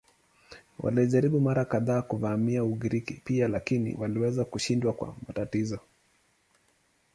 Walijaribu mara kadhaa kuvamia Ugiriki pia lakini waliweza kushindwa kwa matatizo.